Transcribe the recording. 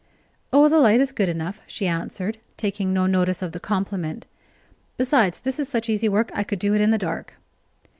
"Oh, the light is good enough," she answered, taking no notice of the compliment. "Besides, this is such easy work I could do it in the dark."